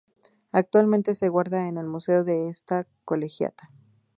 Actualmente se guarda en el museo de esta colegiata.